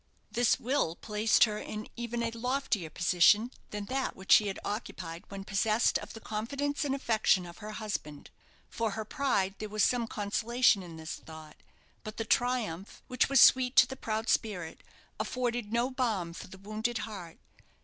This will placed her in even a loftier position than that which she had occupied when possessed of the confidence and affection of her husband. For her pride there was some consolation in this thought; but the triumph, which was sweet to the proud spirit, afforded no balm for the wounded heart.